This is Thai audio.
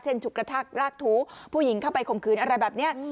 ฉุกกระทักรากถูผู้หญิงเข้าไปข่มขืนอะไรแบบนี้